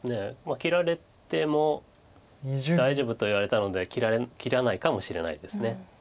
切られても大丈夫と言われたので切らないかもしれないです。